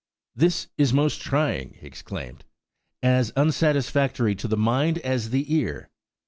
"This is most trying!" he exclaimed. "As unsatisfactory to the mind as the ear!